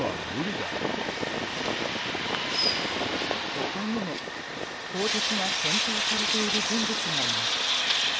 他にも更迭が検討されている人物がいます。